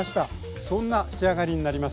そんな仕上がりになります。